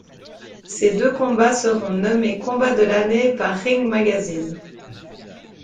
Ces deux combats seront nommés combat de l'année par Ring Magazine.